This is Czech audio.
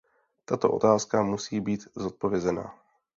Tato otázka musí být zodpovězena.